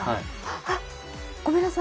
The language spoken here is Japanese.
あっ、ごめんなさい。